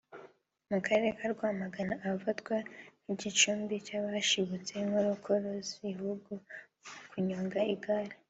mu Karere ka Rwamagana ahafatwa nk’igicumbi cy’ahashibutse inkorokoro z’igihugu mu kunyonga igare